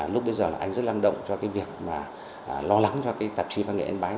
lúc bây giờ anh rất lăng động cho việc lo lắng cho tạp chí văn nghệ ấn bái